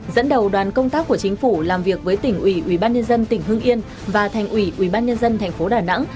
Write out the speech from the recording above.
dẫn đầu đoàn công tác của chính phủ làm việc với tỉnh ủy ubnd tỉnh hương yên và thành ủy ubnd tp đà nẵng